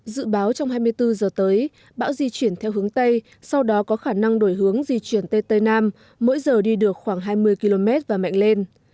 dự báo trong hai mươi bốn giờ tới bão di chuyển theo hướng tây sau đó có khả năng đổi hướng di chuyển tây tây nam mỗi giờ đi được khoảng hai mươi km và mạnh lên